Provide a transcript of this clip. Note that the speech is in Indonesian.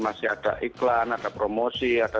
masih ada iklan ada promosi ada